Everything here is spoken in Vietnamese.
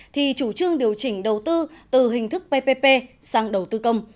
thì chủ trương điều chỉnh đầu tư từ hình thức ppp sang đầu tư công